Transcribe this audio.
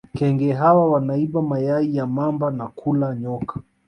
kenge hawa wanaiba mayai ya mamba na kula nyoka